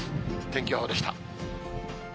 天気予報でした。